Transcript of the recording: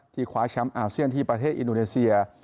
ที่ขวาแชมป์อาเซียนที่ประเทศอินดูเลเซีย